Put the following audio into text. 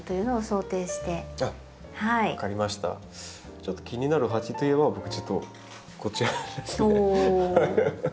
ちょっと気になる鉢といえば僕ちょっとこちらですね。